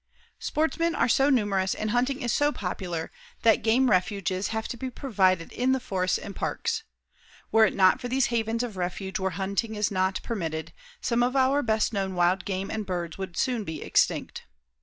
Sportsmen are so numerous and hunting is so popular, that game refuges have to be provided in the forests and parks. Were it not for these havens of refuge where hunting is not permitted, some of our best known wild game and birds would soon be extinct.